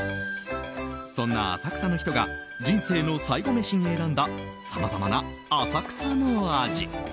そんな浅草の人が人生の最後メシに選んださまざまな浅草の味。